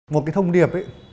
một cái thông điệp ấy